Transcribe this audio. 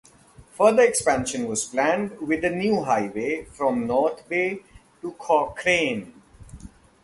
Further expansion was planned with a new highway from North Bay to Cochrane.